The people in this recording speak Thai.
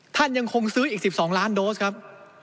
ท่านยังคงซื้ออีก๑๒ล้านโดสครับ